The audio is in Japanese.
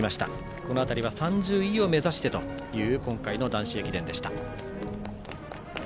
この辺りは３０位を目指してという今回の男子駅伝でした。